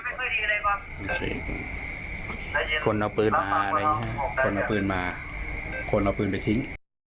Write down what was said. คนเอาปืนมาอะไรอย่างเงี้ยคนเอาปืนมาคนเอาปืนไปทิ้ง